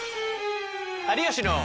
「有吉の」。